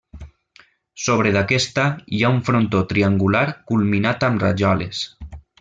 Sobre d’aquesta hi ha un frontó triangular culminat amb rajoles.